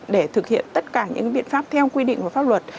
để thực hiện tất cả những biện pháp theo quy định của pháp luật